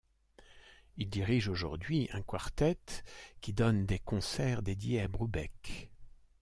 Il dirige aujourd'hui un quartet qui donne des concerts dédiés à Brubeck.